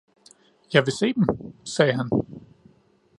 Jeg vil se dem, sagde han.